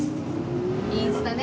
インスタね。